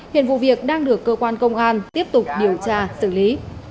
hiện vụ việc đang được cơ quan công an tiếp tục điều tra xử lý